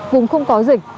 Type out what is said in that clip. vùng không có dịch